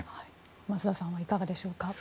増田さんはいかがでしょうか？